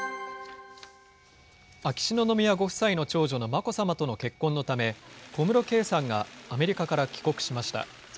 秋篠宮ご夫妻の長女の眞子さまとの結婚のため、小室圭さんがアメリカから帰国しました。